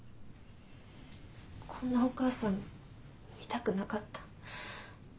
こんなお母さん見たくなかった。